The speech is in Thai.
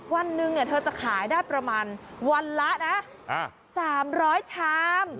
วันหนึ่งเธอจะขายได้ประมาณวันละนะ๓๐๐ชาม